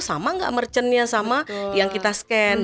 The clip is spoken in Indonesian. sama gak merchand nya sama yang kita scan